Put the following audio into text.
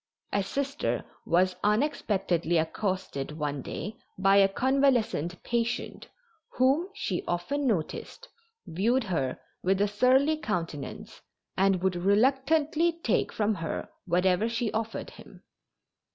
A Sister was unexpectedly accosted one day by a convalescent patient, whom, she often noticed, viewed her with a surly countenance and would reluctantly take from her whatever she offered him.